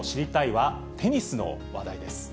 は、テニスの話題です。